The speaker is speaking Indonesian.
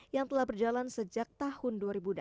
yang telah berjalan sejak tahun dua ribu dua puluh